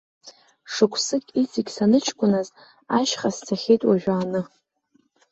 Шықәсык, иҵегь саныҷкәыназ, ашьха сцахьеит уажәааны.